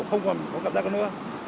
không còn có cảm giác nữa